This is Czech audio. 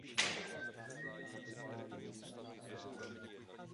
Poté po nějakou dobu studoval opět ve Francii.